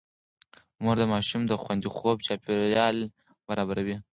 مور د ماشوم د خوندي خوب چاپېريال برابروي.